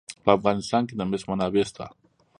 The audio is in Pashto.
په افغانستان کې د مس منابع شته.